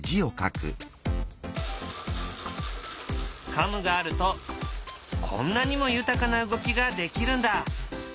カムがあるとこんなにも豊かな動きができるんだ。